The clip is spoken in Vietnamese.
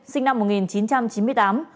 sinh năm một nghìn chín trăm chín mươi tám